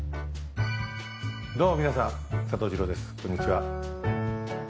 どうも皆さん、佐藤二朗ですこんにちは。